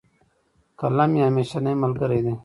قلم مي همېشنی ملګری دی.